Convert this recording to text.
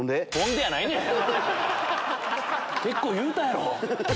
結構言うたやろ！